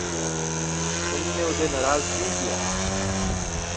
تم نے اسے ناراض کیوں کیا؟